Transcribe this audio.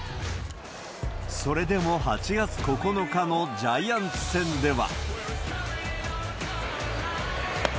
それでも８月９日のジャイアンツ戦では。